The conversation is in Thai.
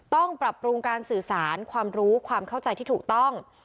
ต้องปรับปรุงการสื่อสารความรู้ความเข้าใจที่ถูกต้อง